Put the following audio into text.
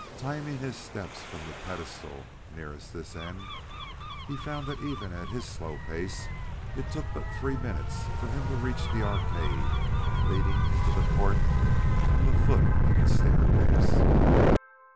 Timing his steps from the pedestal nearest this end, he found that even at his slow pace it took but three minutes for him to reach the arcade leading into the court from the foot of the staircase.